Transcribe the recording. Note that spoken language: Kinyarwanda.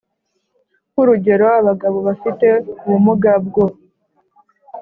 Nk urugero abagabo bafite ubumuga bwo